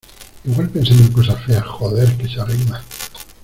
igual pensando cosas feas... joder, que se arrima .